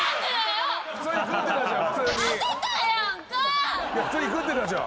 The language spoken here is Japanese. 普通に食ってたじゃん。